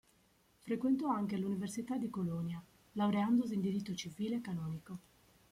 Frequentò anche l'Università di Colonia, laureandosi in diritto civile e canonico.